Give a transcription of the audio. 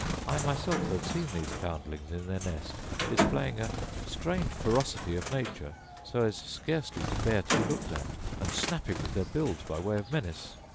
I myself have seen these foundlings in their nest displaying a strange ferocity of nature, so as scarcely to bear to be looked at, and snapping with their bills by way of menace.